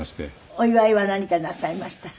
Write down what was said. お祝いは何かなさいました？